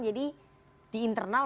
jadi di internal